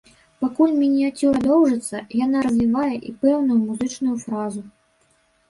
Пакуль мініяцюра доўжыцца, яна развівае і пэўную музычную фразу.